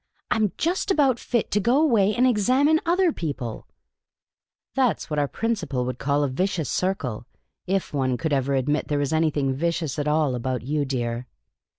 I 'm just about fit to go away and examine other people !' That 's what our Prin cipal would call * a vicious circle '— if one could ever admit there was anything vicious at all about you, dear.